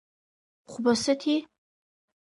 Хәба сыҭи!